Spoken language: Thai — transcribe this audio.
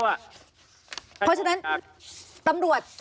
เพราะฉะนั้นตำรวจ